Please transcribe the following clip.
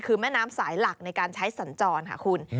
คือแม่น้ำสายหลักในการใช้สัญจรค่ะคุณ